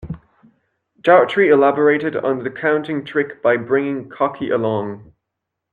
Daughtry elaborated on the counting trick by bringing Cocky along.